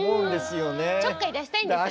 ちょっかい出したいんですよね。